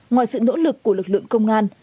ngoài sự nỗ lực của lực lượng công an